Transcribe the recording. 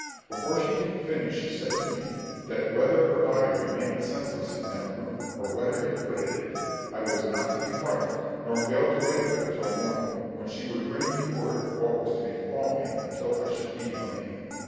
Before she had finished she said to me, that whether her body remained senseless in that room, or whether it quitted it, I was not to be frightened, nor fail to wait there till morning, when she would bring me word of what was to befal me until I should be a man.